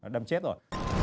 đâm chết rồi